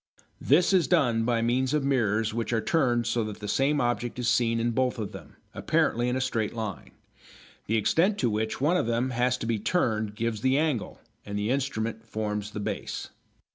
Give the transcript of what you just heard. This is done by means of mirrors which are turned so that the same object is seen in both of them, apparently in a straight line. The extent to which one of them has to be turned gives the angle, and the instrument forms the base.